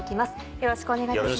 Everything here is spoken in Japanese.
よろしくお願いします。